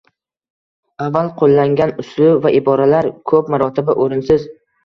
Avval qo‘llangan uslub va iboralar ko‘p marotaba o‘rinsiz